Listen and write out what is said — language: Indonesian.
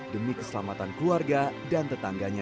dan memiliki kemampuan untuk berjalan ke rumahnya